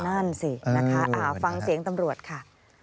นั่นสินะคะฟังเสียงตำรวจค่ะ